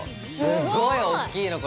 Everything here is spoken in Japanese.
すっごい大きいの。